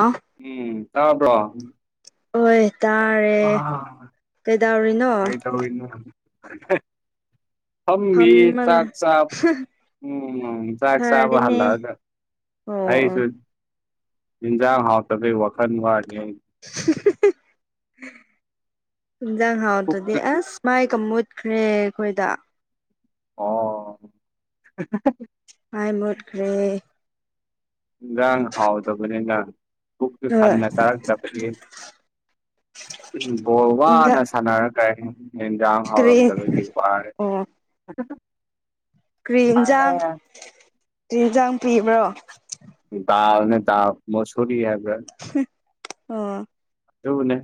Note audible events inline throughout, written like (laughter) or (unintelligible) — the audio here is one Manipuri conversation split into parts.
ꯑꯥ ꯎꯝ ꯇꯥꯕ꯭ꯔꯣ ꯍꯣꯏ ꯇꯥꯔꯦ ꯀꯩꯗꯧꯔꯤꯅꯣ ꯀꯩ ꯇꯧꯔꯤꯅꯣ ꯍꯧꯖꯤꯛ ꯍꯦ ꯐꯝꯃꯤ ꯐꯝꯃ ꯆꯥꯛ ꯆꯥꯕ ꯎꯝ ꯆꯥꯛ ꯆꯥꯕ ꯐꯔꯤꯅꯦ ꯍꯜꯂꯛꯑꯒ ꯑꯣ ꯑꯩꯁꯨ ꯑꯣ ꯏꯟꯖꯥꯡ ꯍꯥꯥꯎꯇꯕꯩ ꯋꯥꯈꯟ ꯋꯥꯔꯤꯌꯦ (unintelligible) ꯏꯟꯖꯥꯡ ꯍꯥꯎꯇ꯭ꯔꯗꯤ ꯄꯨꯛꯁꯨ ꯑꯁ ꯃꯥꯏꯀ ꯃꯨꯠꯈ꯭ꯔꯦ ꯑꯩꯈꯣꯏꯗ ꯑꯣ ꯍꯦ ꯍꯦ ꯍꯦ ꯃꯥꯏ ꯃꯨꯠꯈ꯭ꯔꯦ ꯏꯟꯖꯥꯡ ꯍꯥꯎꯇꯕꯅꯤꯅ ꯄꯨꯛꯁꯨ ꯍꯣꯏ ꯊꯟꯅ ꯆꯥꯔꯛꯇꯕꯒꯤ ꯎꯝ ꯕꯣꯜ ꯋꯥꯅ ꯁꯥꯟꯔꯒ ꯏꯟꯖꯥꯡ ꯀꯔꯤ ꯍꯥꯎꯔꯝꯗꯕꯒꯤ ꯋꯥꯔꯦ ꯀ꯭ꯔꯤ ꯑꯦꯟꯖꯥꯡ ꯑꯦ ꯀ꯭ꯔꯤ ꯑꯦꯟꯖꯥꯡ ꯄꯤꯕ꯭ꯔꯣ ꯗꯥꯜꯅꯦ ꯗꯥꯜ ꯃꯨꯁꯣꯔꯤ ꯍꯥꯏꯕ꯭ꯔꯥ (unintelligible) ꯑꯣ ꯑꯗꯨꯅꯦ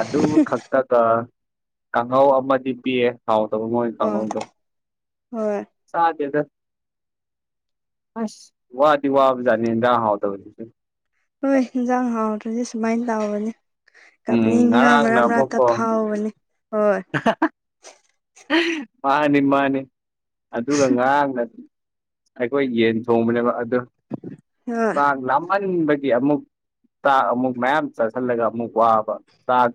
ꯑꯗꯨ ꯈꯛꯇꯗ ꯀꯥꯡꯍꯧ ꯑꯃꯗꯤ ꯄꯤꯌꯦ ꯍꯥꯎꯇꯕ ꯃꯣꯏ ꯑꯣ ꯀꯥꯡꯍꯧꯗꯣ ꯍꯣꯏ ꯆꯥꯗꯦꯗ ꯑꯁ ꯋꯥꯗꯤ ꯋꯥꯕꯖꯅꯤ ꯏꯟꯖꯥꯡ ꯍꯥꯎꯇꯕꯖꯤꯖꯨ ꯍꯣꯏ ꯏꯟꯖꯥꯡ ꯍꯥꯎꯇ꯭ꯔꯗꯤ ꯁꯨꯨꯃꯥꯏ ꯇꯧꯕꯅꯤ ꯎꯝ ꯀꯞꯅꯤꯡꯅ ꯉꯔꯥꯡꯅ ꯃꯔꯛ ꯃꯔꯛꯇ ꯐꯥꯎꯕꯅꯦ ꯍꯣꯏ ꯑꯍꯥ ꯑ ꯃꯥꯅꯤ ꯃꯥꯅꯤ ꯑꯗꯨꯒ ꯉꯔꯥꯡꯅ ꯑꯩꯈꯣꯏ ꯌꯦꯟ ꯊꯣꯡꯕꯅꯦꯕ ꯑꯗꯨ ꯍꯣꯏ ꯆꯥꯛ ꯂꯥꯝꯃꯟꯕꯒꯤ ꯑꯃꯨꯛ ꯇꯥꯛ ꯑꯃꯨꯛ ꯃꯌꯥꯝ ꯆꯥꯁꯤꯜꯂꯒ ꯑꯃꯨꯛ ꯋꯥꯕ ꯆꯥꯛ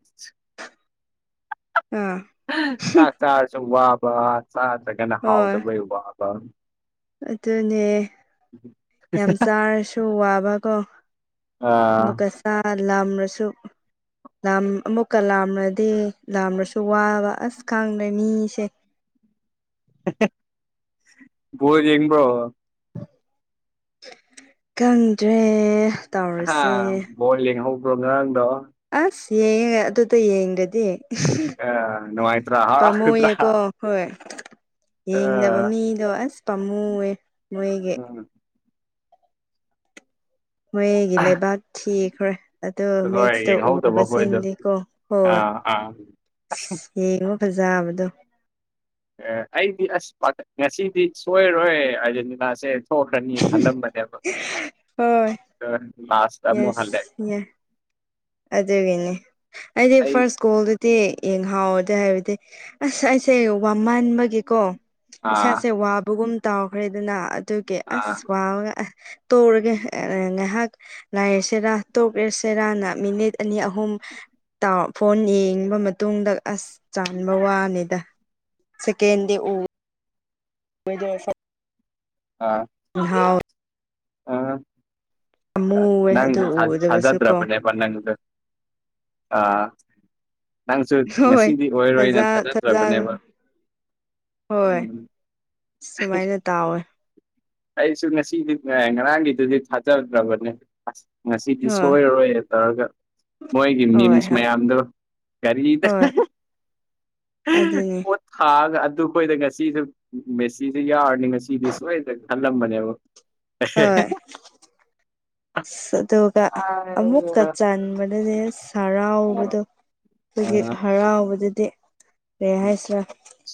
ꯑꯥ ꯆꯥꯛ ꯆꯥꯔꯁꯨ ꯋꯥꯕ ꯆꯥꯗ꯭ꯔꯒꯅ ꯍꯣꯏ ꯍꯥꯎꯗꯕꯩ ꯋꯥꯕ ꯑꯗꯨꯅꯦ ꯌꯥꯝ ꯆꯥꯔꯁꯨ ꯋꯥꯕꯀꯣ ꯑꯥ ꯑꯥ ꯂꯥꯝꯔꯁꯨ ꯂꯥꯝ ꯑꯃꯨꯛꯀ ꯂꯥꯝꯔꯗꯤ ꯂꯥꯝꯔꯁꯨ ꯋꯥꯕ ꯑꯁ ꯈꯪꯗꯦ ꯃꯤꯁꯦ ꯕꯣꯜ ꯌꯦꯡꯕ꯭ꯔꯣ ꯈꯪꯗ꯭ꯔꯦ ꯍꯥ ꯇꯧꯔꯤꯁꯦ ꯕꯣꯜ ꯌꯦꯡꯍꯧꯕ꯭ꯔꯣ ꯉꯔꯥꯡꯗꯣ ꯑꯁ ꯌꯦꯡꯉꯦꯅ ꯑꯗꯨꯗ ꯌꯦꯡꯗꯗꯤ ꯑꯥ ꯅꯨꯡꯥꯏꯇ꯭ꯔꯥ ꯍꯔꯥꯎꯇ꯭ꯔꯥ ꯄꯥꯝꯃꯨꯌꯦꯀꯣ ꯍꯣꯏ ꯌꯦꯡꯗꯕ ꯃꯤꯗꯣ ꯑꯁ ꯄꯥꯝꯃꯨꯋꯦ ꯃꯣꯏꯒꯤ (inaudible) ꯃꯣꯏꯒꯤ ꯂꯩꯕꯥꯛ ꯊꯤꯈ꯭ꯔꯦ ꯑꯗꯣ ꯍꯣꯏ ꯃꯦꯠꯁꯇ ꯌꯦꯡꯍꯧꯗꯕ ꯈꯣꯏꯗꯣ ꯎꯗꯕꯁꯤꯡꯗꯤ ꯀꯣ ꯑꯥ ꯑꯥ ꯌꯦꯡꯉꯣ ꯐꯖꯕꯗꯣ ꯑꯦ ꯑꯩꯗꯤ ꯑꯁ ꯉꯁꯤꯗꯤ ꯁꯣꯏꯔꯔꯣꯏ ꯑꯥꯔꯖꯦꯟꯇꯤꯅꯥꯁꯦ ꯊꫭꯛꯈ꯭ꯔꯅꯤ ꯈꯜꯂꯝꯕꯅꯦꯕ ꯍꯣꯏ (unintelligible) ꯂꯥꯁ ꯌꯦꯁ ꯌꯦ ꯑꯗꯨꯒꯤꯅꯤ ꯑꯩꯗꯤ ꯑꯩ ꯐꯥꯔꯁ ꯒꯣꯜꯗꯨ ꯇꯦ ꯌꯦꯡꯍꯥꯎꯗꯦ ꯍꯥꯏꯕꯗꯤ ꯑꯁ ꯑꯩꯁꯦ ꯋꯥꯃꯟꯕꯒꯤꯀꯣ ꯑꯥ ꯏꯁꯥꯁꯦ ꯋꯥꯕꯒꯨꯝ ꯇꯥꯎꯈ꯭ꯔꯦꯗꯅ ꯑꯗꯨꯒꯤ ꯑꯥ ꯑꯁ ꯋꯥꯕꯒ ꯑꯥꯍ ꯇꯣꯛꯔꯒꯦ ꯉꯥꯏꯍꯥꯛ ꯂꯩꯁꯤꯔ ꯇꯣꯛꯔꯁꯤꯔꯅ ꯃꯤꯅꯤꯠ ꯑꯅꯤ ꯑꯍꯨꯝ ꯇꯥꯎ ꯐꯣꯟ ꯌꯦꯡꯕ ꯃꯇꯨꯡꯗ ꯑꯁ ꯆꯥꯟꯕ ꯋꯥꯝꯅꯤꯗ ꯁꯦꯀꯦꯟꯗꯤ ꯎ ꯃꯣꯏꯗꯣ ꯐꯛ ꯑꯥ ꯉꯍꯥꯎ ꯑꯥ ꯑꯃꯨꯋꯦ ꯅꯪꯁꯦ ꯑꯗꯨ ꯊꯥꯗꯤ ꯎꯗꯕꯁꯨ ꯀꯣ ꯊꯥꯖꯗ꯭ꯔꯕꯅꯦ (unintelligible) ꯅꯪꯁꯨ ꯍꯣꯏ ꯉꯁꯤꯗꯤ ꯑꯣꯏꯔꯣꯏꯅ ꯊꯥꯖ ꯊꯥꯖ ꯊꯥꯖꯗ꯭ꯔꯕꯅꯦꯕ ꯍꯣꯏ ꯎꯝ ꯁꯨꯃꯥꯏꯅ ꯇꯥꯎꯋꯦ ꯑꯩꯁꯨ ꯉꯁꯤꯗꯤꯅꯦ ꯉꯔꯥꯡꯒꯤꯗꯨꯗꯤ ꯊꯥꯖꯗ꯭ꯔꯕꯅꯦ ꯑꯁ ꯉꯁꯤꯗꯤ ꯍꯣꯏ ꯁꯣꯏꯔꯔꯣꯏꯅ ꯇꯧꯔꯒ ꯃꯣꯏꯒꯤ ꯍꯣꯏ ꯃꯤꯝꯁ ꯍꯣꯏ ꯃꯌꯥꯝꯗꯣ ꯀꯔꯤꯗ ꯑꯗꯨꯅꯦ ꯈꯥꯛꯑꯒ ꯑꯗꯨꯈꯣꯏꯗ ꯉꯁꯤꯖꯨ ꯃꯦꯁꯤꯁꯦ ꯌꯥꯎꯔꯗꯤ ꯉꯁꯤꯗꯤ ꯁꯣꯏꯗ꯭ꯔꯦꯅ ꯈꯜꯂꯝꯕꯅꯦꯕ ꯍꯣꯏ ꯑꯁ ꯑꯗꯨꯒ ꯑꯗꯨ ꯑꯃꯨꯛꯀ ꯆꯟꯕꯗꯨꯗꯤ ꯑꯁ ꯍꯔꯥꯎꯕꯗꯣ ꯑꯩꯈꯣꯏꯒꯤ ꯍꯔꯥꯎꯕꯗꯨꯗꯤ ꯀꯔꯤ ꯍꯥꯏꯁꯤꯔ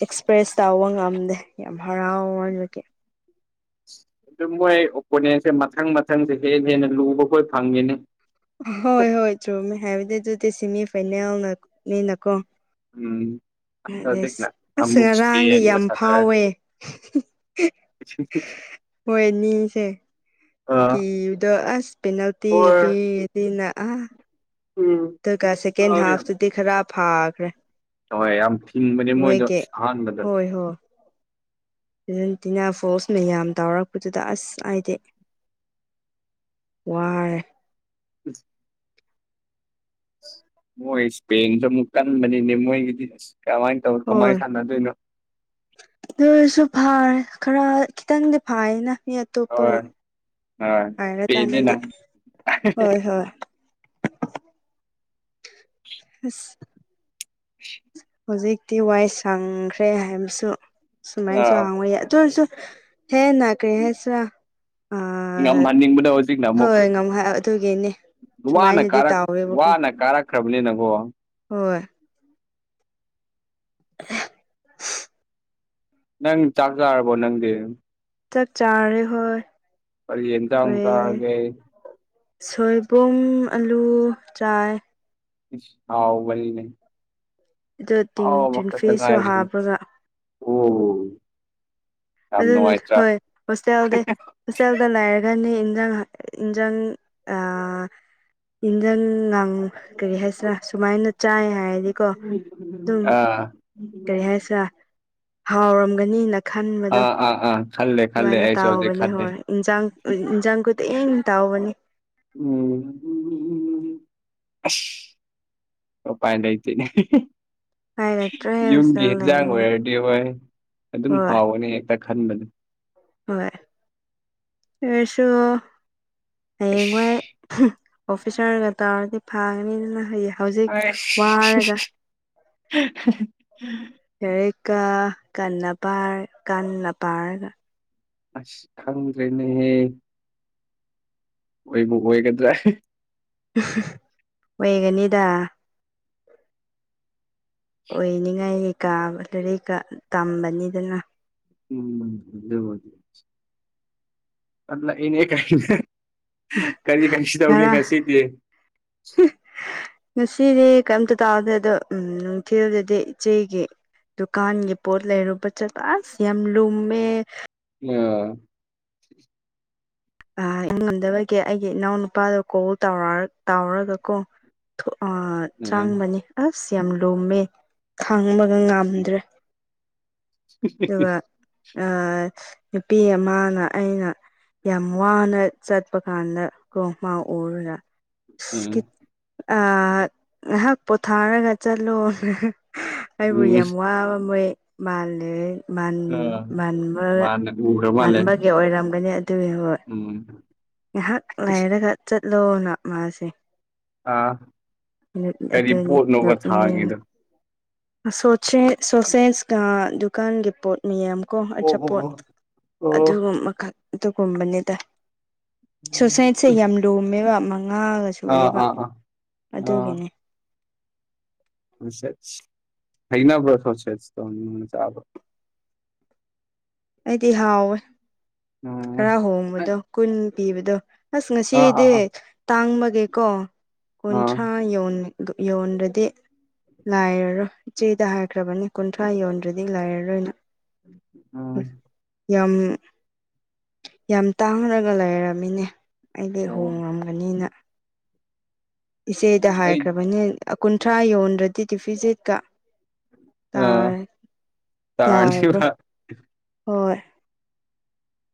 ꯑꯦꯛꯁꯄ꯭ꯔꯦꯁ ꯇꯧꯕ ꯉꯝꯗꯦ ꯌꯥꯝ ꯍꯔꯥꯎꯃꯟꯕꯒꯤ ꯑꯗꯨ ꯃꯣꯏ ꯑꯣꯄꯣꯅꯦꯟꯁꯦ ꯃꯊꯪ ꯃꯊꯪꯗꯤ ꯍꯦꯟꯅ ꯍꯦꯟꯅ ꯂꯨꯕꯈꯣꯏ ꯐꯪꯉꯦꯅꯦ ꯍꯣꯏ ꯍꯣꯏ ꯆꯨꯝꯃꯦ ꯍꯥꯏꯕꯗꯤ ꯑꯗꯨꯗꯤ ꯁꯤꯃꯤ ꯐꯥꯏꯅꯦꯜꯅ ꯅꯤꯅꯀꯣ꯫ ꯎꯝ ꯑꯇꯔꯗꯤꯛꯅ ꯑꯁ ꯑꯃꯨꯛ ꯉꯔꯥꯡꯗꯤ ꯏꯁꯄꯦꯟꯒ ꯌꯥꯝ ꯁꯥꯟꯅꯔꯅꯤ꯫ ꯐꯥꯎꯋꯦ (unintelligible) ꯍꯣꯏꯅꯤꯁꯦ꯫ ꯑꯥ ꯀꯤꯕꯗꯣ ꯑꯁ ꯄꯦꯅꯥꯜꯇꯤꯒ ꯍꯣꯏ ꯄꯤꯔꯗꯤꯅ꯫ ꯎꯝ ꯑꯗꯨꯒ ꯁꯦꯀꯦꯟ ꯍꯥꯐꯇꯗꯤ ꯈꯔ ꯐꯥꯈ꯭ꯔꯦ꯫ ꯍꯣꯏ ꯌꯥꯝ ꯐꯤꯡꯕꯅꯦ ꯃꯣꯏꯗꯣ ꯑꯍꯥꯟꯕꯗ꯫ ꯑꯦꯍꯣ꯫ ꯑꯔꯖꯦꯟꯇꯤꯅꯥ ꯐꯣꯁ ꯃꯌꯥꯝ ꯇꯥꯎꯔꯛꯄꯗꯨꯗ ꯑꯁ ꯑꯥꯏꯗꯤ꯫ ꯋꯥꯔꯦ꯫ (inaudible) ꯃꯣꯏ ꯏꯁꯄꯦꯟꯒꯤꯁꯨ ꯑꯃꯨꯛ ꯀꯟꯕꯅꯤꯅꯦ ꯃꯣꯏꯒꯤꯗꯤ ꯑꯁ ꯀꯃꯥꯏꯅ ꯇꯧ ꯀꯃꯥꯏ ꯍꯣꯏ ꯁꯥꯅꯗꯣꯏꯅꯣ꯫ ꯑꯗꯨꯑꯣꯏꯔꯁꯨ ꯐꯥꯏ ꯈꯔ ꯈꯤꯇꯪꯗꯤ ꯐꯥꯏꯌꯦꯅ ꯃꯤ ꯇꯣꯞꯄ ꯍꯣꯏ ꯍꯣꯏ ꯍꯥꯏꯔꯀꯥꯟꯗꯗꯤ ꯏꯁꯄꯦꯟꯅꯤꯅ ꯍꯣꯏ ꯍꯣꯏ꯫ ꯑꯁ (unintelligible) ꯍꯧꯖꯤꯛꯇꯤ ꯋꯥꯏ ꯁꯪꯈ꯭ꯔꯦ ꯍꯥꯏꯕꯁꯨ ꯁꯨꯃꯥꯏꯟꯁꯨ ꯑꯥ ꯍꯥꯡꯕ ꯌꯥꯏ ꯑꯗꯨ ꯑꯣꯏꯔꯁꯨ ꯍꯦꯟꯅ ꯀꯔꯤ ꯍꯦꯁꯦꯔꯥ ꯑꯥ ꯉꯝꯍꯟꯅꯤꯡꯕꯗꯣ ꯍꯧꯖꯤꯛꯅ ꯑꯃꯨꯛ ꯍꯣꯏ ꯉꯝꯍꯥ ꯇꯨꯒꯤꯅꯦ꯫ ꯋꯥꯅ ꯀꯥꯔꯛ ꯋꯥꯅ ꯀꯥꯔꯛꯈ꯭ꯔꯕꯅꯤꯅꯀꯣ꯫ ꯍꯣꯏ꯫ (unintelligible) ꯅꯪ ꯆꯥꯛ ꯆꯥꯔꯕꯣ ꯅꯪꯗꯤ? ꯆꯛ ꯆꯥꯔꯦ ꯍꯣꯏ꯫ ꯀꯔꯤ ꯌꯦꯟꯖꯥꯛ ꯍꯣꯏ ꯆꯥꯔꯒꯦ? ꯁꯣꯏꯕꯨꯝ ꯑꯂꯨ ꯆꯥꯏꯌꯦ꯫ ꯏꯁ ꯍꯥꯎꯕꯅꯤꯅꯦ꯫ ꯑꯗꯨ ꯇꯤꯟ ꯑꯍꯥꯎꯕ ꯈꯛꯇ ꯇꯤꯟꯐꯤꯁꯁꯨ ꯉꯥꯏꯔꯦꯅꯦ ꯍꯥꯞꯄꯒ (unintelligible) ꯑꯗꯨꯅ ꯅꯨꯡꯉꯥꯏꯇ꯭ꯔꯥ ꯍꯣꯏ ꯍꯣꯁꯇꯦꯜꯗꯤ ꯍꯣꯁꯇꯦꯜꯗ ꯂꯥꯏ ꯔꯅꯤ ꯏꯟꯖꯥꯡ ꯍꯥ ꯏꯟꯖꯥꯡ ꯑꯥ ꯏꯟꯖꯥꯡ ꯅꯪ ꯀꯔꯤ ꯍꯥꯏꯁꯤꯔꯥ ꯁꯨꯃꯥꯏꯅ ꯆꯥꯏ ꯍꯥꯏꯔꯗꯤꯀꯣ ꯑꯗꯨꯝ, ꯑꯥ ꯀꯔꯤ ꯍꯥꯏꯁꯦꯔꯥ ꯍꯥꯎꯔꯝꯒꯅꯤꯅ ꯈꯟꯕꯗꯣ ꯑꯥ ꯑꯥ ꯑꯥ ꯈꯜꯂꯦ ꯈꯜꯂꯦ ꯑꯗꯨꯃꯥꯏꯅ ꯑꯩꯁꯨ ꯍꯧꯖꯤꯛ ꯇꯥꯎꯕꯅꯦ ꯈꯟꯔꯤ꯫ ꯍꯣꯏ ꯏꯟꯖꯥꯡ ꯎꯟ ꯏꯟꯖꯥꯡ ꯈꯨꯗꯤ ꯇꯥꯎꯕꯅꯤ꯫ ꯎꯝ (unintelligible) ꯑꯁ ꯑꯣꯄꯥꯏ ꯂꯩꯇꯦꯅꯦ ꯍꯥꯏꯔꯛꯇ꯭ꯔꯦ (unintelligible) ꯌꯨꯝꯒꯤ ꯍꯣꯁꯇꯦꯜ ꯑꯦꯟꯖꯥꯡ ꯂꯩꯕꯅꯤꯅ ꯑꯣꯏꯔꯗꯤ ꯍꯣꯏ ꯑꯗꯨꯝ ꯍꯣꯏ ꯍꯥꯎꯕꯅꯦ꯫ ꯇ ꯈꯟꯕꯅꯤ꯫ ꯍꯣꯏ ꯑꯩꯁꯨ ꯍꯥꯌꯦꯡ ꯋꯥꯏ ꯑꯁ (unintelligible) ꯑꯣꯐꯤꯁꯔꯒ ꯇꯧꯔꯗꯤ ꯐꯥꯒꯅꯤꯗꯅ ꯍꯌꯦ ꯍꯧꯖꯤꯛ ꯋꯥꯔꯒ꯫ ꯑꯁ (unintelligible) ꯂꯥꯏꯔꯤꯛꯀꯥ ꯀꯟꯅ ꯄꯥꯔ ꯀꯟꯅ ꯄꯥꯔꯒ꯫ ꯑꯁ ꯈꯪꯗ꯭ꯔꯦꯅꯦꯍꯦ꯫ ꯑꯣꯏꯕꯨ ꯑꯣꯏꯒꯗ꯭ꯔꯥ (unintelligible) (unintelligible) ꯑꯣꯏꯒꯅꯤꯗ ꯑꯣꯏꯅꯤꯡꯉꯥꯏ ꯀꯥꯝ ꯑꯗꯨꯔꯤꯛꯀ ꯇꯝꯕꯅꯤꯗꯅ (unintelligible) ꯑ ꯂꯥꯛꯏꯉꯩ ꯀꯩꯅ ꯀꯔꯤ ꯀꯔꯤꯁꯨꯗꯧꯒꯦ ꯉꯔꯥꯡ ꯉꯁꯤꯗꯤ (inaudible) ꯉꯁꯤꯗꯤ ꯀꯩꯝꯇ ꯇꯥꯎꯗꯦ ꯑꯗꯣ ꯎꯝ ꯅꯨꯡꯊꯤꯜꯗꯗꯤ ꯏꯆꯦꯒꯤ ꯗꯨꯀꯥꯟꯒꯤ ꯄꯣꯠ ꯂꯩꯔꯨꯕ ꯆꯠꯄ ꯑꯁ ꯌꯥꯝ ꯂꯨꯝꯃꯦ ꯃꯥ ꯇꯥ ꯄꯨ ꯉꯝꯗꯕꯒꯤ ꯑꯩꯒꯤ ꯏꯅꯥꯎ ꯅꯨꯨꯄꯥꯗ ꯀꯣꯜ ꯇꯧꯔ ꯇꯧꯔꯒ ꯀꯣ ꯊꯣ ꯑꯥ ꯎꯝ ꯆꯪꯕꯅꯦ ꯑꯁ ꯌꯥꯝ ꯂꯨꯝꯃꯦ ꯊꯥꯡꯕꯒ ꯉꯝꯗ꯭ꯔꯦ ꯑꯗꯨꯒ ꯑꯥ ꯅꯨꯄꯤ ꯑꯃꯥꯅ ꯑꯩꯅ ꯌꯥꯝ ꯋꯥꯅ ꯆꯠꯄ ꯀꯥꯟꯗ ꯀꯣ ꯃꯥ ꯎꯔꯨꯒ ꯁ꯭ꯀꯤꯞ ꯎꯝ ꯑꯥ ꯉꯥꯏꯍꯥꯛ ꯄꯣꯊꯥꯔꯒ ꯆꯠꯂꯣ (unintelligible) ꯑꯩꯕꯨ ꯌꯥꯝ ꯋꯥꯥꯕ ꯃꯣꯏ ꯃꯥꯜꯂꯦ ꯃꯥꯟ ꯎꯝ ꯃꯥꯟꯕ ꯃꯥꯅ ꯎꯈ꯭ꯔ ꯃꯥꯜꯂꯦ ꯃꯥꯟꯕꯒꯤ ꯑꯣꯏꯔꯝꯒꯅꯤ ꯑꯗꯨꯒꯤ ꯍꯣꯏ ꯎꯝ ꯉꯥꯏꯍꯥꯛ ꯂꯩꯔꯒ ꯆꯠꯂꯣꯅ ꯃꯥꯁꯦ ꯑꯥ (unintelligible) ꯀꯔꯤ ꯑꯗꯨꯅꯤ ꯄꯣꯠꯅꯣꯕ ꯅꯣꯛꯅꯤꯡꯉꯤ ꯊꯥꯡꯉꯤꯗꯣ ꯁꯣꯁꯦꯁ ꯁꯣꯁꯦꯁ ꯑꯥ ꯗꯨꯀꯥꯟꯒꯤ ꯄꯣꯠ ꯃꯤꯌꯥꯝ ꯀꯣ ꯑꯣ ꯑꯣ ꯑꯆꯥꯄꯣꯠ ꯑꯣ ꯑꯣ ꯑꯗꯨꯒꯨꯝꯕ ꯈꯛ ꯑꯗꯨꯒꯨꯝꯕꯅꯤꯗ ꯁꯣꯁꯥꯏꯠꯁꯦ ꯌꯥꯝ ꯂꯨꯝꯃꯦꯕ ꯃꯉꯥꯒ ꯑꯥ ꯁꯨꯑꯦꯕ ꯑꯥ ꯑꯥ ꯑꯗꯨꯒꯤꯅꯤ (unintelligible) ꯍꯩꯅꯕ꯭ꯔꯥ ꯁꯣꯁꯦꯠꯇꯣ ꯅꯪ ꯆꯥꯕꯥ ꯑꯩꯗꯤ ꯍꯥꯎꯋꯦ ꯎꯝ ꯈꯥꯔ ꯍꯣꯡꯕꯗꯣ ꯀꯨꯟ ꯄꯤꯕꯗꯣ ꯑꯁ ꯑꯥ ꯉꯁꯤꯗꯤ ꯑꯥ ꯑꯥ ꯇꯥꯡꯕꯒꯤꯀꯣ ꯑꯥ ꯀꯨꯟꯊ꯭ꯔꯥ ꯌꯧ ꯌꯣꯟꯗ꯭ꯔꯗꯤ ꯂꯥꯏꯔꯔꯣ ꯏꯆꯦꯗ ꯍꯥꯏꯈ꯭ꯔꯕꯅꯤ ꯀꯨꯟꯊ꯭ꯔꯥ ꯌꯣꯟꯗ꯭ꯔꯗꯤ ꯂꯩꯔꯔꯣꯏꯅ ꯑꯝ ꯌꯥꯝ ꯌꯥꯝ ꯇꯥꯡꯔꯒ ꯂꯩꯔꯝꯃꯤꯅꯦ ꯑꯩꯗꯤ ꯑꯣ ꯍꯣꯡꯉꯝꯒꯅꯤꯅ ꯏꯆꯦꯗ ꯑꯩ ꯍꯥꯏꯈ꯭ꯔꯕꯅꯤ ꯀꯨꯟꯊ꯭ꯔꯥ ꯌꯣꯟꯗ꯭ꯔꯗꯤ ꯇꯗꯤꯐꯤꯖꯤꯠꯇ ꯑ ꯇꯥꯏ ꯇꯥꯔꯅꯤꯕ ꯌꯥꯔꯔꯣꯏ ꯍꯣꯏ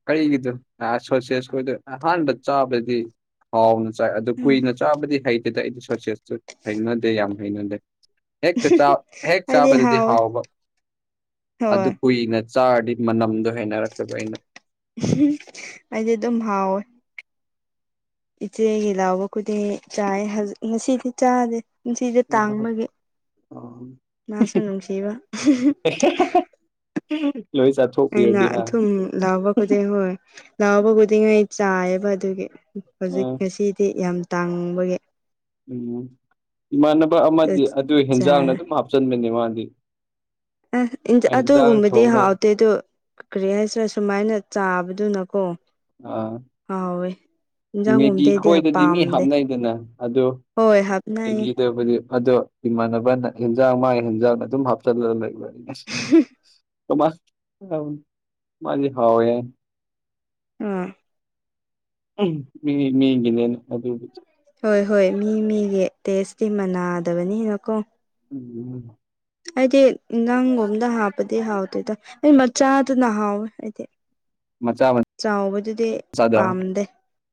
ꯀꯔꯤꯒꯤꯗꯣ ꯁꯁꯦꯁꯗ ꯑꯍꯥꯟꯕ ꯆꯥꯕꯗꯗꯤ ꯍꯥꯎꯅ ꯑꯗꯨ ꯀꯨꯏꯅ ꯆꯥꯕꯗꯤ ꯍꯩꯇꯦꯗ ꯑꯩꯗꯤ ꯁꯣꯔꯁꯦꯁꯁꯨ ꯍꯩꯅꯗꯦ ꯌꯥꯝ ꯍꯩꯅꯗꯦ ꯍꯦꯛꯇ ꯍꯦꯛ ꯑꯩꯗꯤ ꯆꯥꯕꯗꯗꯤ ꯍꯥꯎꯋꯦ ꯍꯥꯎꯕ ꯑꯗꯨ ꯍꯣꯏ ꯀꯨꯏꯅꯦ ꯆꯥꯔꯗꯤ ꯃꯅꯝꯗꯣ ꯍꯩꯅꯔꯛꯇꯕ ꯑꯩꯅ ꯑꯩꯗꯤ ꯑꯗꯨꯝ ꯍꯥꯎꯋꯦ ꯏꯆꯦꯒꯤ ꯂꯥꯎꯕ ꯈꯨꯗꯤꯡ ꯆꯥꯏ ꯍꯥꯏ ꯉꯁꯤꯗꯤ ꯆꯥꯗꯦ ꯄꯨꯟꯁꯤꯁꯦ ꯇꯥꯡꯕꯒꯤ ꯃꯥꯁꯨ ꯅꯨꯡꯁꯤꯕ ꯍꯦꯍꯦ (unintelligible) ꯂꯧꯏꯅꯥ ꯆꯥꯊꯣꯛ ꯑꯩꯅ ꯑꯊꯨꯝ ꯂꯥꯛꯕ ꯈꯨꯗꯤꯡ ꯍꯣꯏ ꯂꯥꯛꯕ ꯈꯨꯗꯤꯡ ꯑꯩ ꯆꯥꯏꯌꯦꯕ ꯑꯗꯨꯒꯤ ꯑ ꯍꯧꯖꯤꯛ ꯉꯁꯤꯗꯤ ꯌꯥꯝ ꯇꯥꯡꯕꯒꯤ ꯎꯝ ꯏꯃꯥꯟꯅꯕ ꯑꯃꯗꯤ ꯑꯗꯨ ꯍꯦꯟꯖꯥꯡꯗ ꯆꯥꯔꯦ ꯑꯗꯨꯝ ꯍꯥꯞꯆꯤꯟꯕꯅꯤ ꯃꯥꯗꯤ ꯑꯦ ꯏꯟ ꯍꯦꯟꯖꯥꯡ ꯑꯗꯨꯒꯨꯝꯕꯗꯤ ꯊꯣꯡꯅ ꯍꯥꯎꯇꯦ ꯑꯗꯨ ꯀ꯭ꯔꯤ ꯍꯥꯏꯁꯤꯔ ꯁꯨꯃꯥꯏꯅ ꯆꯥꯕꯗꯨꯅꯀꯣ ꯑ ꯍꯥꯎꯋꯦ ꯃꯦꯒꯤ ꯏꯟꯖꯥꯡꯒꯨꯝꯕꯗꯩꯗꯤ ꯈꯣꯏꯗꯗꯤ ꯃꯤ ꯄꯥꯝꯗꯦ ꯍꯥꯞꯅꯩꯗꯅ ꯑꯗꯨ ꯍꯣꯏ ꯍꯥꯞꯅꯩꯌꯦ ꯃꯦꯒꯤꯗꯕꯨꯗꯤ ꯑꯗꯣ ꯏꯃꯥꯟꯅꯕꯅ ꯍꯤꯟꯖꯥꯡ ꯃꯥꯒꯤ ꯍꯤꯟꯖꯥꯡꯗ ꯑꯗꯨꯝ ꯍꯥꯞꯆꯜꯂꯒ ꯂꯩꯕ ꯑꯩꯁ ꯀꯃꯥꯏ ꯇꯧꯅꯤ ꯃꯥꯗꯤ ꯍꯥꯎꯋꯦꯌꯦ ꯎꯝ ꯎꯝ ꯃꯤ ꯃꯤꯒꯤꯅꯦꯅ ꯑꯗꯨꯒꯤ ꯍꯣꯏ ꯍꯣꯏ ꯃꯤ ꯃꯤꯒꯤ ꯇꯦꯁꯇꯤ ꯃꯅꯥꯗꯕꯅꯤꯅꯀꯣ ꯎꯝ ꯎꯝ ꯑꯩꯗꯤ ꯅꯪꯒꯨꯝꯗ ꯍꯥꯞꯄꯗꯤ ꯍꯥꯎꯇꯦꯗ ꯗꯤ ꯃꯆꯥꯗꯨꯅ ꯍꯥꯎꯋꯦ ꯑꯩꯗꯤ ꯃꯆꯥꯥ ꯃ ꯆꯥꯎꯕꯗꯨꯗꯤ ꯄꯥꯝꯗꯦ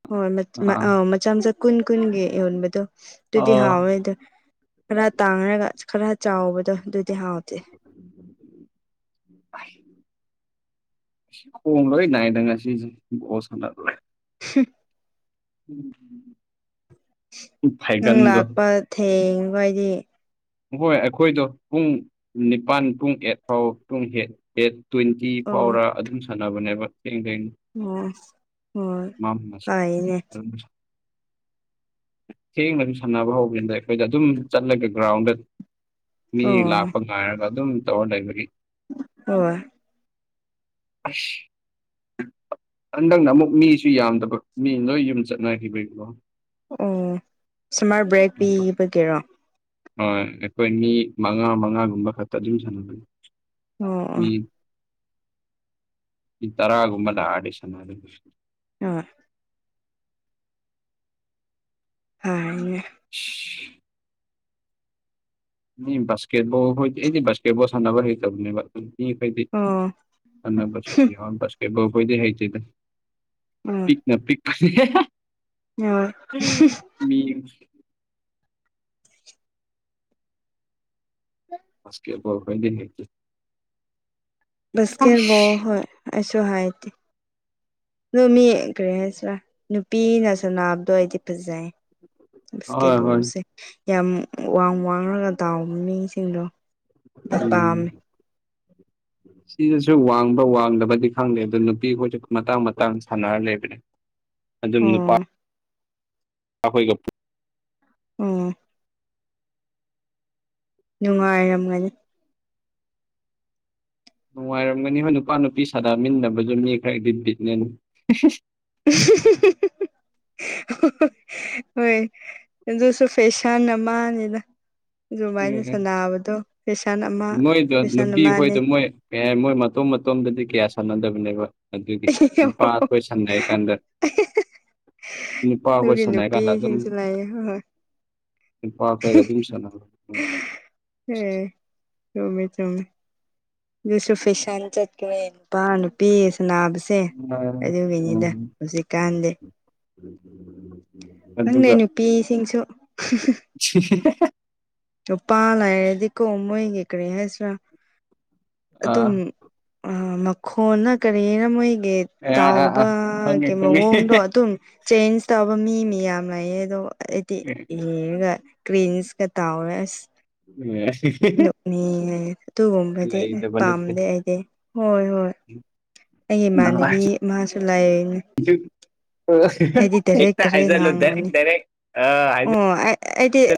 ꯍꯣꯏ ꯃ ꯑꯥ ꯑꯧ ꯃꯆꯥ ꯃꯆꯥ ꯀꯨꯟ ꯀꯨꯟꯒꯤ ꯌꯣꯟꯕꯗꯣ ꯇꯨꯗꯤ ꯑꯥ ꯍꯥꯎꯋꯦꯗꯣ ꯈꯔ ꯇꯥꯡꯔꯒ ꯈꯔ ꯆꯥꯎꯕꯗꯣ ꯗꯨꯗꯤ ꯍꯥꯎꯇꯦ ꯈꯣꯡꯒ ꯂꯣꯏ ꯅꯥꯏꯗ ꯉꯁꯤꯁꯦ ꯕꯣꯜ ꯁꯥꯟꯅꯕꯗ ꯍꯨꯝ ꯎꯝ ꯅꯪ ꯂꯥꯛꯄ ꯊꯦꯡꯕꯩꯗꯤ ꯍꯣꯏ ꯑꯩꯈꯣꯏꯗꯣ ꯄꯨꯡ ꯅꯤꯄꯥꯟ ꯄꯨꯡ ꯑꯦꯠ ꯐꯥꯎ ꯄꯨꯡ ꯑꯦꯠ ꯑꯦꯠ ꯇ꯭ꯋꯦꯟꯇꯤ ꯑꯣ ꯐꯥꯎꯔ ꯑꯗꯨꯝ ꯁꯥꯟꯅꯕꯅꯦꯕ ꯊꯦꯡ ꯊꯦꯡ ꯑꯣ ꯍꯣꯏ ꯐꯥꯏꯌꯦꯅꯦ ꯊꯦꯡꯅ ꯗꯨꯝ ꯁꯥꯟꯅꯕ ꯍꯧꯒꯤꯕꯗ ꯑꯩꯈꯣꯏꯗ ꯑꯗꯨꯝ ꯆꯠꯂꯒ ꯒ꯭ꯔꯥꯎꯟꯗ ꯃꯤ ꯑꯣ ꯂꯥꯛꯄ ꯉꯥꯏꯔꯒ ꯑꯗꯨꯝ ꯇꯧꯔ ꯂꯩꯕꯒꯤ ꯍꯣꯢ ꯑꯁ ꯍꯟꯗꯛꯅ ꯑꯃꯨꯛ ꯃꯤꯁꯨ ꯌꯥꯝꯗꯕ ꯃꯤ ꯂꯣꯏ ꯌꯨꯝ ꯆꯠꯅꯈꯤꯕꯩꯀꯣ ꯑꯣ ꯁꯝꯃꯔ ꯕ꯭ꯔꯦꯛ ꯄꯤꯕꯒꯤꯔꯣ? ꯍꯣꯏ ꯑꯩꯈꯣꯏ ꯃꯤ ꯃꯉꯥ ꯃꯉꯥꯒꯨꯝꯕ ꯈꯛꯇ ꯗꯨꯝ ꯁꯥꯟꯅꯕꯅꯤ ꯑꯣ ꯑꯣ ꯃꯤ ꯃꯤ ꯇꯔꯥꯒꯨꯝꯕ ꯂꯥꯛꯑꯗꯤ ꯁꯥꯅꯗꯨꯏꯅꯦ ꯑꯣ ꯐꯥꯏꯅꯦ ꯁꯤ ꯃꯤ ꯕꯥꯁꯀꯦꯠꯕꯣꯜ ꯍꯣꯢ ꯑꯩꯗꯤ ꯕꯥꯁꯀꯦꯠꯕꯣꯜ ꯁꯥꯟꯅꯕ ꯍꯩꯇꯕꯅꯦꯕ ꯃꯤ ꯑꯇꯩꯗꯤ ꯑꯣ ꯁꯥꯅꯕ ꯁꯨꯝ ꯌꯥꯎ ꯕꯥꯁꯀꯦꯠꯕꯣꯜ ꯈꯣꯏꯗꯤ ꯍꯩꯇꯦꯗ ꯑꯣ ꯄꯤꯛꯅ ꯄꯤꯛ ꯐꯥꯖꯩꯍꯦ ꯍꯣꯏ ꯃꯤ ꯕꯥꯁꯀꯦꯠꯕꯣꯜ ꯈꯣꯢꯗꯤ ꯍꯩꯇꯦ ꯑꯁ ꯕꯥꯁꯀꯦꯠꯕꯣꯜ ꯍꯣꯏ ꯑꯩꯁꯨ ꯍꯥꯢꯇꯦ ꯗꯣ ꯃꯤ ꯀꯔꯤ ꯍꯥꯢꯁꯤꯔꯥ ꯅꯨꯄꯤꯅ ꯁꯥꯅꯕꯗꯣ ꯑꯩꯗꯤ ꯐꯖꯩ (inaudible) ꯕꯁꯀꯦꯠ ꯍꯣꯏ ꯍꯣꯏ ꯕꯣꯜꯁꯦ ꯌꯥꯝ ꯋꯥꯡ ꯋꯥꯡꯔꯒ ꯇꯥꯎꯕ ꯃꯤꯁꯤꯡꯗꯣ ꯎꯝ (inaudible) ꯁꯤꯗꯁꯨ ꯋꯥꯡꯕ ꯋꯥꯡꯗꯕꯗꯤ ꯈꯪꯗꯦ ꯑꯗꯨ ꯅꯨꯄꯤꯈꯣꯏꯁꯨ ꯃꯇꯥꯡ ꯃꯇꯥꯡ ꯁꯥꯟꯅꯔ ꯂꯩꯕꯅꯦ (inaudible) ꯑꯗꯨꯝ ꯅꯨꯄꯥ ꯑꯣ ꯑꯈꯣꯏꯒ ꯄꯨ ꯑꯝ ꯅꯨꯡꯉꯥꯏꯔꯝꯒꯅꯤ꯫ ꯅꯨꯡꯉꯥꯏꯔꯝꯒꯅꯤꯕ ꯅꯨꯄꯥ ꯅꯨꯄꯤ ꯁꯥꯗꯥꯃꯤꯟꯅꯕꯗꯨ ꯃꯤ ꯈꯔꯗꯤ ꯕꯤꯠ ꯂꯦꯟ ꯑꯝꯍꯍꯍ ꯍꯣꯏ ꯑꯗꯨꯁꯨ ꯐꯦꯁꯟ ꯑꯃꯥꯅꯤꯗ꯫ ꯗꯨꯃꯥꯏꯅ ꯁꯅꯥꯕꯗꯣ꯫ ꯃꯣꯏꯗꯣ ꯅꯨꯄꯤ ꯍꯣꯏꯗꯣ ꯃꯣꯏ ꯀꯩ ꯍꯥꯏ ꯃꯣꯏ ꯃꯇꯣꯝ ꯃꯇꯣꯝꯗꯗꯤ ꯀꯌꯥ ꯁꯥꯟꯅꯗꯕꯅꯦꯕ꯫ ꯑꯗꯨꯒꯤ ꯅꯨꯄꯥ ꯑꯩꯈꯣꯏ ꯁꯥꯟꯅꯩ ꯀꯥꯟꯗ ꯅꯨꯄꯥ ꯈꯣꯢ ꯑꯗꯨꯒꯤ ꯁꯥꯟꯅꯩ ꯀꯥꯟꯗ ꯑꯗꯨꯝ ꯅꯨꯄꯤꯁꯤꯡꯁꯨ ꯂꯩꯌꯦ ꯍꯣꯏ ꯅꯨꯄꯥꯈꯣꯢꯒ ꯑꯗꯨꯝ ꯁꯥꯟꯅꯕꯅꯦ ꯎꯝ ꯑꯦ ꯆꯨꯝꯃꯦ ꯆꯨꯝꯃꯦ꯫ ꯅꯣꯢꯁꯨ ꯐꯤꯁꯟ ꯆꯠꯀ꯭ꯔꯦ꯫ ꯅꯨꯄꯥ ꯅꯨꯄꯤ ꯁꯅꯥꯕꯁꯦ ꯑꯗꯨꯒꯤꯅꯤꯗ ꯎꯝ ꯍꯧꯖꯤꯛꯀꯥꯟꯗꯤ꯫ ꯈꯪꯗꯦ ꯑꯗꯨꯒ ꯅꯨꯄꯤꯁꯤꯡꯁꯨ ꯅꯨꯄꯥ ꯂꯩꯔꯗꯤ ꯀꯣ ꯃꯣꯏꯒꯤ ꯀꯔꯤ ꯍꯥꯏꯁꯤꯔꯥ ꯑꯗꯨꯝ ꯑꯥ ꯑ ꯃꯛ ꯈꯣꯟꯅ ꯀꯔꯤꯔ ꯃꯣꯏꯒꯤ ꯑꯥ ꯑꯥ ꯈꯪꯉꯦ ꯇꯥꯎꯕꯒꯤ ꯈꯪꯉꯦ ꯃꯑꯣꯡꯗꯣ ꯑꯗꯨꯝ ꯆꯦꯟꯖ ꯇꯧꯕ ꯃꯤ ꯃꯤꯌꯥꯝ ꯂꯩꯌꯦ ꯑꯗꯣ ꯑꯩꯗꯤ ꯌꯦꯡꯔꯒ ꯀ꯭ꯔꯤꯁꯀ ꯇꯥꯎꯋꯦ ꯑꯁ (inaudible) ꯃꯤ ꯑꯗꯨꯒꯨꯝꯕꯗꯤ ꯂꯩꯇꯕ ꯄꯥꯝꯗꯦ ꯑꯩꯗꯤ ꯍꯣꯏ ꯍꯣꯏ ꯍꯝ ꯑꯩ ꯏꯃꯥꯟꯅꯕꯤ ꯑꯃꯁꯨ ꯂꯩꯔꯤꯅꯦ꯫ ꯖꯤꯛ ꯑꯥ ꯍꯦꯛꯇ ꯗꯥꯏꯔꯦꯛ ꯍꯥꯏꯖꯜꯂꯣ ꯗꯥꯏꯔꯦꯛ ꯗꯥꯏꯔꯦꯛ ꯑꯥ ꯍꯥꯏꯖ ꯑꯦ ꯑꯩꯗꯤ